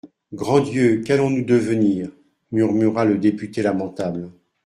Grand Dieu ! qu'allons-nous devenir ? murmura le député lamentable.